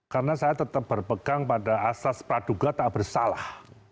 karena saya tetap berpegang pada asas praduga tak bersalah